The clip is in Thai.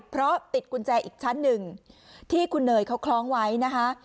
เพราะติดกุญแจอีกชั้นหนึ่งที่คุณเนยเขาคล้องไว้นะคะ